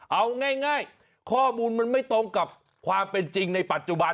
เอาง่ายข้อมูลมันไม่ตรงกับความเป็นจริงในปัจจุบัน